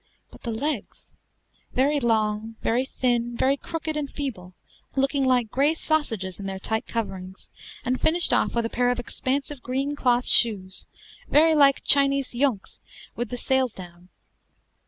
But the legs! very long, very thin, very crooked and feeble, looking like gray sausages in their tight coverings, and finished off with a pair of expansive green cloth shoes, very like Chinese junks with the sails down.